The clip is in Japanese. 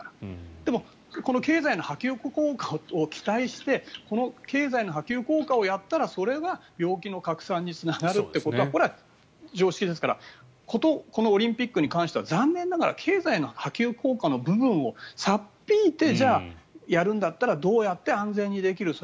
でも、この経済の波及効果を期待してこの経済の波及効果をやったらそれは病気の拡散につながるということはこれは常識ですから事このオリンピックに関しては残念ながら経済の波及効果の部分を差っ引いてじゃあ、やるんだったらどうやって安全にできるか。